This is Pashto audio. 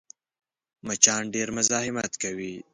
مچان ډېر مزاحمت کوي